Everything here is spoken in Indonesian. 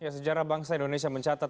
sejarah bangsa indonesia mencatat